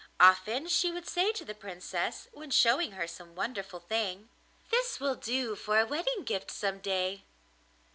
Often she would say to the Princess, when showing her some wonderful thing: 'This will do for a wedding gift some day.